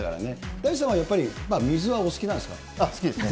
大地さんはやっぱり水はお好きな好きですね。